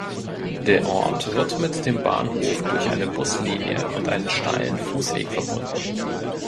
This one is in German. Der Ort wird mit dem Bahnhof durch eine Buslinie und einen steilen Fussweg verbunden.